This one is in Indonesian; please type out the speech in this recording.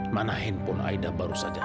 mana handphone aida baru saja